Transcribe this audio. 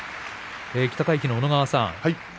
北太樹の小野川さん